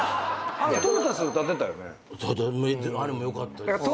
あれもよかったです。